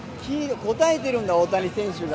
答えてるんだ、大谷選手が。